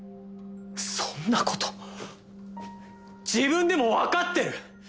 そんな事自分でもわかってる！